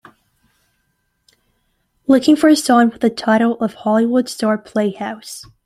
Looking for a song with the title of Hollywood Star Playhouse